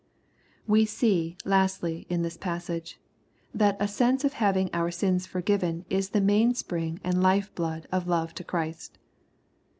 We see, lastly, iu this passage, that a sense of having our sins forgiven is the mainspring and life Hood of love to Christ.